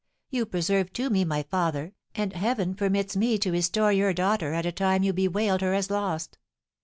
You preserved to me my father, and Heaven permits me to restore your daughter at a time you bewailed her as lost.